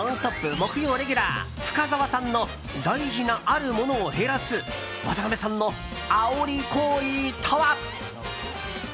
木曜レギュラー深澤さんの大事なあるものを減らす渡辺さんのあおり行為とは。